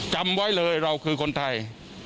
จำไว้เลยเราคือคนไทย